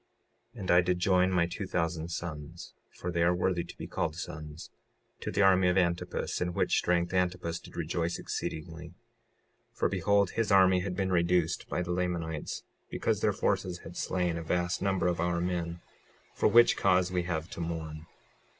56:10 And I did join my two thousand sons, (for they are worthy to be called sons) to the army of Antipus, in which strength Antipus did rejoice exceedingly; for behold, his army had been reduced by the Lamanites because their forces had slain a vast number of our men, for which cause we have to mourn.